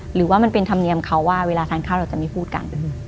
หรือว่ามันเป็นธรรมเนียมเขาว่าเวลาทานข้าวเราจะไม่พูดกัน